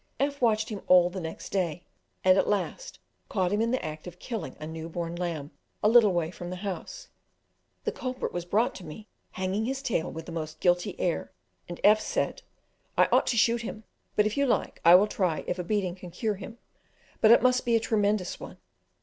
F watched him all the next day, and at last caught him in the act of killing a new born lamb a little way from the house; the culprit was brought to me hanging his tail with the most guilty air, and F said, "I ought to shoot him, but if you like I will try if a beating can cure him, but it must be a tremendous one."